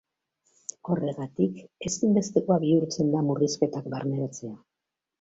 Horregatik, ezinbestekoa bihurtzen da murrizketak barneratzea.